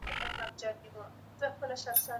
مسلمانان د نورو اديانو ساتنه کوي.